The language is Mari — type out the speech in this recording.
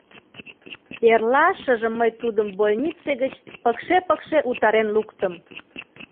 Эрлашыжым мый тудым больнице гыч пыкше-пыкше утарен луктым.